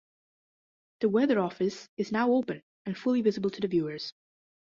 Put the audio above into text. The weather office is now open and fully visible to the viewers.